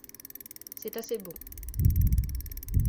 C’est assez bon.